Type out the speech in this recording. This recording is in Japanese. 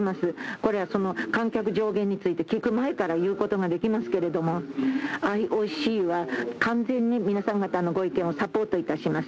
これは観客上限について聞く前から言うことができますけれども、ＩＯＣは完全に皆さん方のご意見をサポートいたします。